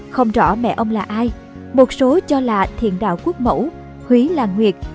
không rõ mẹ ông là ai một số cho là thiền đạo quốc mẫu huy lan nguyệt